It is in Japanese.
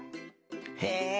へえ！